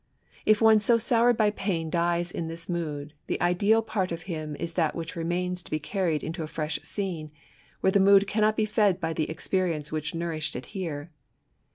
If one so soured by pain dies ii^ thid mood, the ideal part of him is that which remains to be carried into a fresh scene, where tlie mood cannot be fed by the experience which nourished it here.